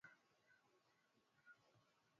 na wabunge wa ulaya utakaofanyika mwezi juni mwaka huu